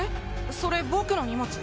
それ僕の荷物？